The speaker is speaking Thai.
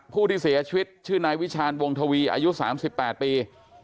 ผู้ที่เสียชีวิตชื่อนายวิชาณวงทวีอายุ๓๘ปี